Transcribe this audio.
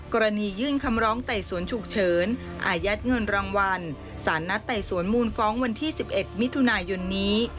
กรณียื่นคำร้องไต่สวนฉุกเฉินอายัดเงินรางวัลสารนัดไต่สวนมูลฟ้องวันที่๑๑มิถุนายนนี้